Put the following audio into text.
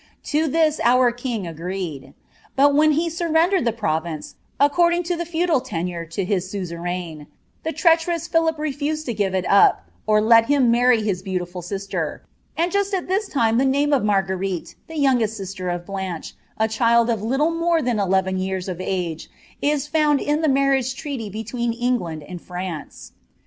To this our king agreed ; but when he surrendered the (ituiiMa according to the feudal tenure,' to his auzeTsin, the treacbvoua IVif refused to give it up, or let him marry his beautiful sist«r i and jw * this time the name of Ma^uerile, tlie youngest sister of Blanche, a dii of little more than eleven years of age, is found in the marriage IKtl between England and France.